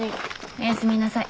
おやすみなさい。